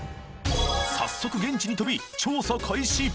早速現地に飛び調査開始！